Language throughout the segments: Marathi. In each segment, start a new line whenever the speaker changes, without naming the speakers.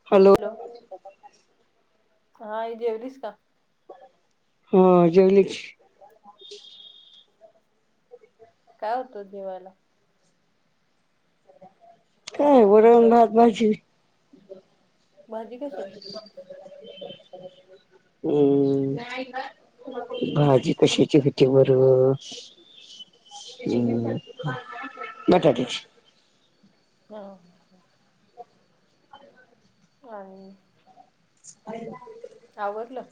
हॅ [unintelligible]
हॅलो हा आई जेवलीस का?
हा जेवली की.
काय होत जेवायला?.
काय वरण, भात, भाजी
भाजी कशाची
हम्म. भाजी कशाची होती बर? हम्, बटाट्याची.
हा. आणि
हो. [inaudible]
आवरलं?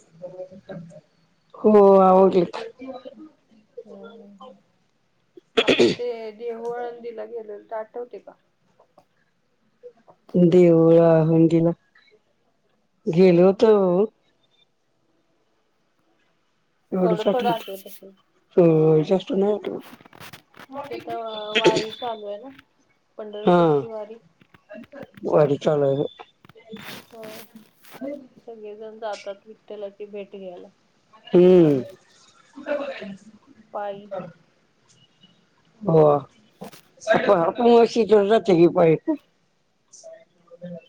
हो आवरलं.
हम्, हम्, हम्, आपण ते देह आळंदिला गेलेलो ते आठवते का?
देहू आळंदीला गेलो
हम्म
होतो.
थोडं थोडं आठवत असेल
हो
हा.
जास्त नाही आठवत
तिथं वारी चालू आहे ना, पंढरपूरची वारी.
वारी चालु आहे.
हो सगळेजण जातात विठ्ठलाची भेट घ्यायला.
हम्म. कुठं करत [unintelligible]
पाई
[inaudible] हो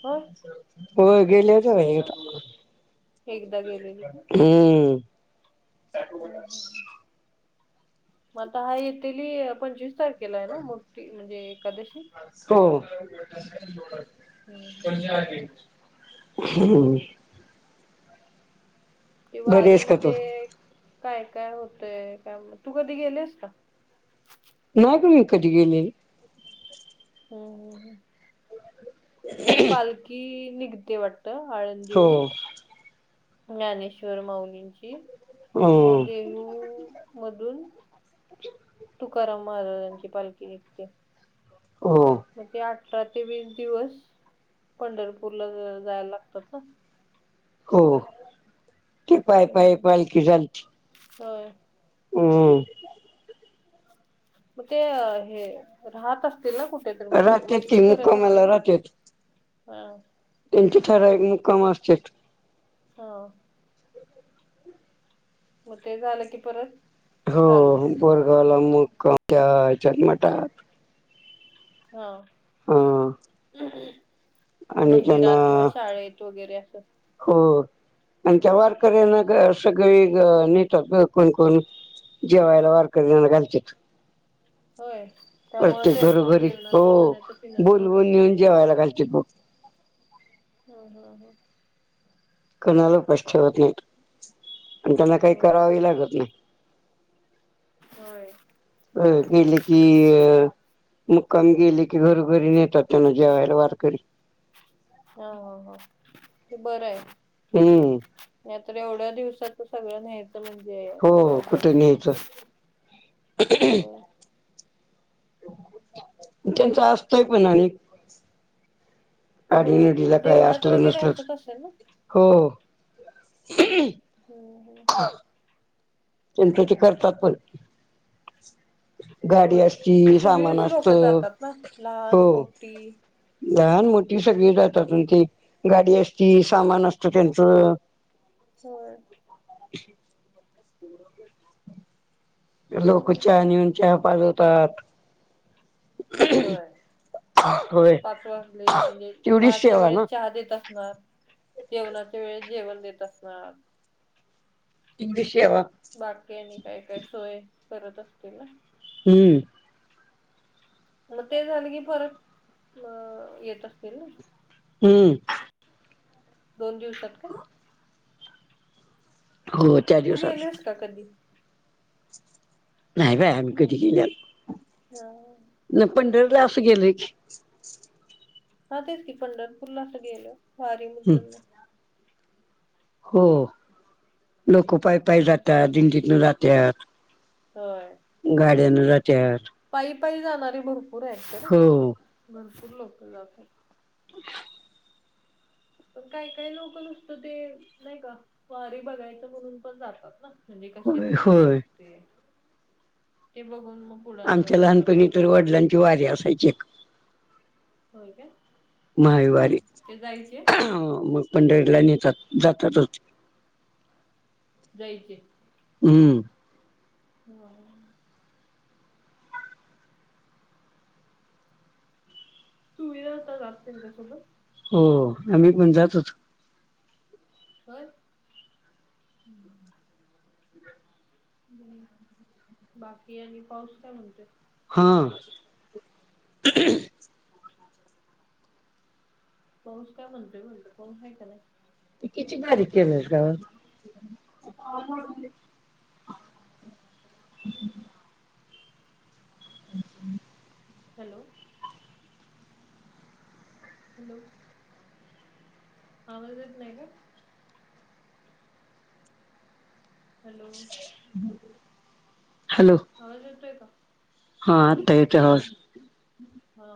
होय
गेल्यात वारीला.
एकदा गेलेली.
हम्म.
म आता हा येतील पंचवीस तारखे केलाय ना मोठी म्हणजे एकादशी हम्म हम्म हम्म.
हो
कि
बरी आहेस का तू
वारीमध्ये काय काय होतय काय तू कधी गेलियेस का?
नाही ग मी कधी गेलेली.
हम् हम ह ही पालखी निघते वाटत
हो
आळंदीहून. ज्ञानेश्वर माउलींची म
हो
देहू मधून तुकाराम महाराजांची पालखी निघते.
हो
मग ते अठरा ते वीस दिवस पंढरपूरला जायला लागतात ना.
हो ते पाय पाय पालखी झाल.
हो
हम
मग ते हे राहत असतील ना कुठे? तर म्हणजे
राहतेत ती
वस्ती करत
मुक्कामाला
असतील
राहतेत
हा
त्यांचे ठरावीक मुक्काम असतात.
हो मग ते झालं की परत
हो
चालू
बरगला मुक्काम त्या याच्यात मठात
हा
ह
मंदिरात किंवा शाळेत वगैरे असं.
हो आणि त्या वारकऱ्यांना सगळी नेतात कोण कोण जेवयला वारकऱ्यांना घालत्यात.
होय त्यामुळे त्यांचं
घरोघरी हो
जेवणाचं खाण्याचं पिण्याचं होत
बोलवून
असनार
नेऊन
सगळं
[unintelligible]
हा हा हा
कणाला पश्वत नाहीत प त्यांना काही
होय
करावे लागत नाही.
होय
अ केले की अ मुक्काम गेले की घरोघरी नेतात त्यांना जेवायला वारकरी.
हा हा हा ते बरं आहे.
हम
एवढ्या दिवसाातच सगळं नाही. म्हणजे
हो
अवघड
कुठे न्यायचं
हो
त्यांच असतय पण आणि
होय
आडीनडीला काय
देवळात
असलं
वगैरे
नसल
असत असेल ना
हो.
हम्
ह चंत ते करतात पण गाडी
होय.
असती सामान
सगळीच
असत
लोक जातात ना
हो.
लहान मोठी
लहान मोठी सगळी जातातून ते गाडी असती सामान असतं त्यांचं.
हो
लोक चहा
बरोबर.
नऊन चहा पाजवतात.
होय
हो
पाच वाजले म्हणजे चहाच्या
ना
वेळेत चहा देत असणार. जेवणाच्या वेळेस जेवण देत असणार
इंग्लिशे व
बाकी आणि काय काय सोय करत असतील ना
हम्म
मग ते झालं की फरक अ येत असतील ना
हम्म
दोन दिवसात का
हो त्या
तू
दिवसात
गेलेस का कधी
नाही बायम्ही कधी केली
हा
न पंढरीला असं गेलय
हा तेच की पंढरपूरला असं गेलं वारी
हं.
मुजून
हो लोक पाय पाय
हं.
जातात दिंडिन जातात
हो
गाड्यान रट्या
पायी पायी जाणारी भरपूर आहेत तर
हो
भरपूर लोक जातात पण काय काय लोक नसतं ते नाही का फ्ारी बघायचं म्हणून पण जातात ना म्हणजे कशी
होय
असते काय
होय
असते ते बघून मग पुढे
आमच्या
जातात ना
लहानपणी तर
पंढरपूर
वडिलांची वारीे असायची एक
होय काय
मायवारी
ते जायचे
मग पंढड लाईन येतात जातातच
जायचे
हम्म
हो सुविधा होता जाते त्यासोबत
हो आम्ही पण जात होच
हो बाकी आणि पाऊस काय म्हणतोय
हा ह
पाऊस काय म्हणतोय म्हणतो पाऊस आहे का नाही
तिकिची गारी केलीस का अम्
हॅलो हॅलो आवाजत नाही का हॅलो
हॅलो,
आवाज येतोय का?
हा येतोय आवाज,
हा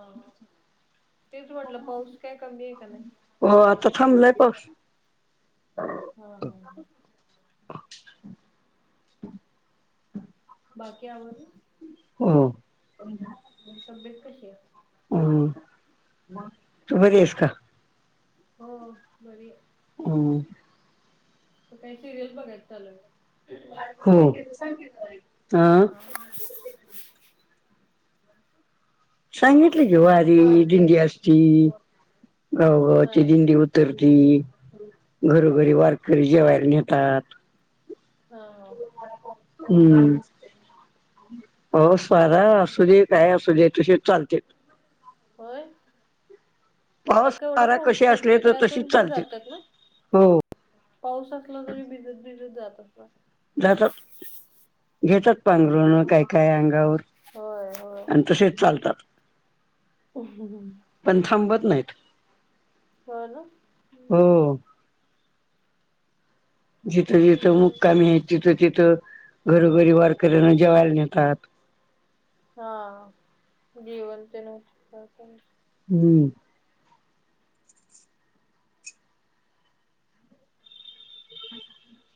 तेच म्हटलं पाऊस काय कमी आहे का नाही,
हो आता थांबलंय पाऊस,
हा हा, हा, बाकी आवर,
हो. [unintelligible]
तब्येत कशीय?
ह. मग. तू बरीयस का?
हो, बरीय.
हम्म.
तू काय, सिरियल बघायच चालुय का?
हो. [unintelligible]
आ हां.
सांगितलं की. वारी, दिंडी असती.
हा
गावंगावची दिंडी होत तर ती. घरोघरी, वारकरी जेवायला नेतात.
ह.
हम्म. पाऊस- वारा असुदे, काहीही असुदे. तसेच चालतेत.
व्हय. आता
पाऊस
केवढा
वारा
पाऊस
कसे असले
पडतोय?
तर
त्यातून
तशीच
पण
चालते
जात्यात न.
हो
पाऊस असला तरी, भिजत- भिजत जातात ना.
जातात. घेतात पांघरून, काय - काय अंगावर
होय होय.
अन् तसेच चालतात.
हम्म. [unintelligible]
पण थांबत नाहीत.
हो ना हम्म,
हो. जिथं - जिथं
बरोबर
मुक्कामीयत, तिथं - तिथं, घरोघरी वारकऱ्यांना जेवायला नेतात.
हा. जेवण तेन असतय त्यांना.
ह, ह.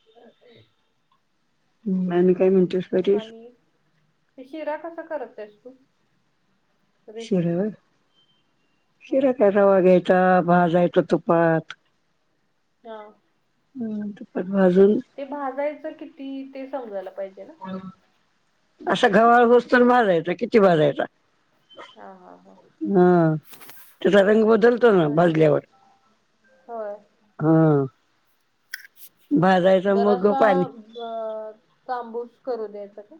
[unintelligible]
ह, आणि काय, म्हणतेस? परेश
आणि, ते शिरा कसा, करतेस तू?
शिरा
रेसिपी
होय. शिरा काय रवा घ्यायचा, भाजायचा तुपात.
हा.
हं, तुपात भाजुन
ते भाजायचं किती? ते समजायला पाहिजे ना.
ह. असा गव्हाळ होईस्तोर भाजायचा. किती भाजायचा?
हा हा हा
हा. त्याचा रंग
बरं.
बदलतो ना,
आणि
भाजल्यावर.
होय.
ह.
[inaudible]
मग
जरासा,
पाणी
ब अ तांबूस करू द्यायचा का?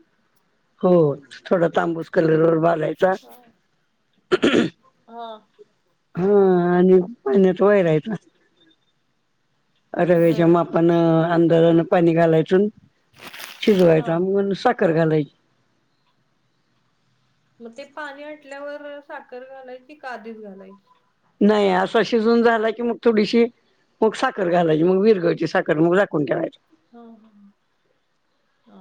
हो, थोडा तांबूस कलरवर भाजायचा
हा हा.
हा आणि पाण्यात वैरायचा. रव्याच्या
हम्म
मापान, अंदाजाने पाणी घालायच न.
हा
शिजवायचा. म न साख खर घालायची.
मग ते पाणी आटल्यावर, साखर घालायची का, आधीच घालायची?
नाही, असा शिजून झाला की, मग थोडीशी मग साखर घालायची. मग विरगळती साखर. मग झाकून ठेवायचा.
ह, ह. हा.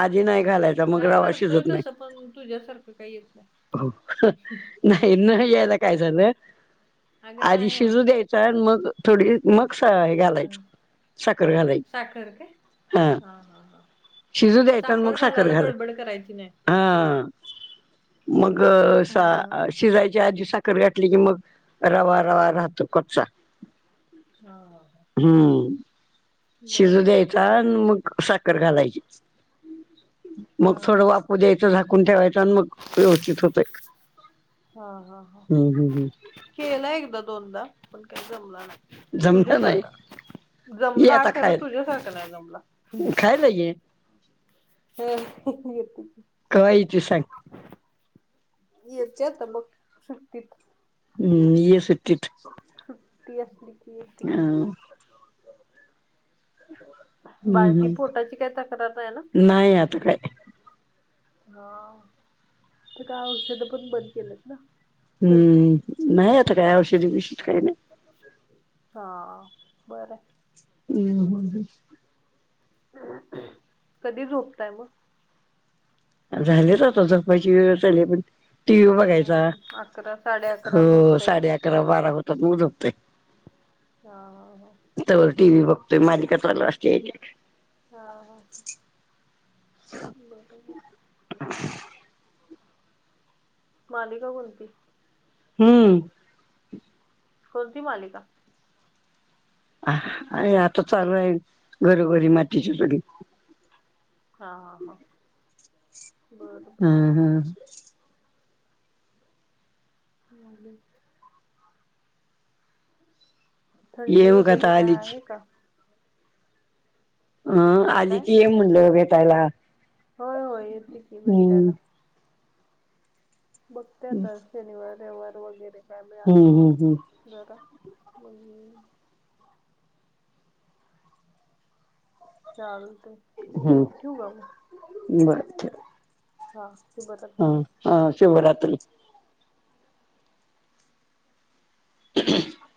आधी नाही घालायचा. मग
काय
रवा
करतोय
शिजत नाही.
तसं पण तुझ्यासारखं काही येत नाही
हो. हं. नाही न यायला काय झालं?
अगं
आधी
नाही होत
शिजू द्याय च मग थोडी मग स आहे
हा.
घालायच, साखर घालायच
साखर काय
हा
हा हा हा
शिजू द्यायचा आणि मग साखर
घालायला
घालायची.
गडबड करायची नाही
हा मग
हा
सा अ श शिजायच्या आधी साखर घातली की, मग रवा रवा राहतो कच्चा.
हा हा ह
हम्म, शिजू द्यायचा आणि मग साखर घालायची.
हा
मग थोडं वाफु द्याय चं, झाकून ठेवायचा आणि मग व्यवस्थित होतय
हा हा हा
हम्म हम्म हम्म
केला एकदा -दोनदा, पण काही जमला नाही,
जमलं नाही
तुझ्यासारख
ये
जमला,
आता
खरं
खायला
तुझ्यासारखा नाय जमला.
खायला ये
होय
कवा येते सांग
येते आता बघ, सुट्टीत.
हुम्म ए सुट्टीत
सुुट्टी असली की येत की,
हम्म
बाळकी
हम्म
पोटाची काय तक्रार नाही ना
नाही आता काय
हा, आता काय औषध पण बंद केलंत ना? सध्या
हम्म नाही आता काय, औषधी बिशीद काही नाही.
हा बरं
हम्म हम्म
[unintelligible] कधी झोपताय मग?
झालेच आता जपायची वेळ झाली पण, टी व्ही बघायचा,
हम्म अकरा साडे अकराला
हो
झोपताय का
साडे अकरा - बारा पतर मग झपतोय.
हा हा हा
तवर टी व्ही बघतोय मालीका चालु असत्यात एक एक
हा हा, बरोबर
ह [unintelligible]
मालिका कोणती?
हम्म
कोणती मालिका?
अ हां आता चालू आहे, घरोघरी मातीची चुली
हा हा हा बरं बरं
हम्म हम्म
घालुन थंडी
ये मग
वगैरे
आता
काय
आलीच
आहे का?
अम आली
काय
की म्हणलं ये भेटायला.
होय होय, येते की
हम्म.
भेटायला. बघते आता शनिवार -रविवार वगैरे काय मिळाला
हम्म
तर
हम्म हम्म
जरा मगंं चालतय ठिक आहे,
हम्म
ठीऊ का
बर
मग?
ठेव.
हा हे
हा
बघते.
हा शिवरात्री [inaudible]